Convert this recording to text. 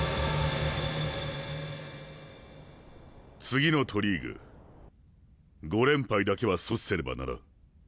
次の都リーグ５連敗だけは阻止せねばならん。